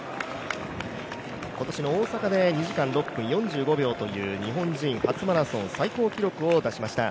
今年の大阪で２時間６分４５秒という、日本人初マラソンの最高記録を出しました。